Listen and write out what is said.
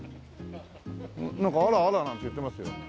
なんか「あらあら」なんて言ってますよ。